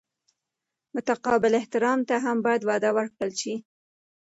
متقابل احترام ته هم باید وده ورکړل شي.